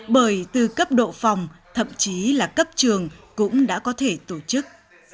bởi từ cấp độ phòng thậm chí là cấp trường cũng đã có thể tổ chức